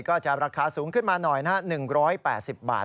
ก็จะราคาสูงขึ้นมาหน่อยนะฮะ๑๘๐บาท